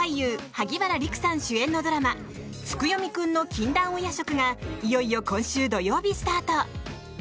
萩原利久さん主演のドラマ「月読くんの禁断お夜食」がいよいよ今週土曜日スタート。